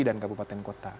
dan ke kabupaten kota